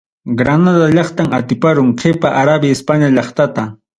Granada llaqtam atiparun, qipa Árabe España llaqtata.